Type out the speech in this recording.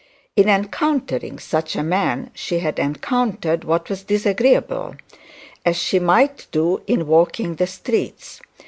In encountering such a man she had encountered what was disagreeable, as she might do in walking the streets.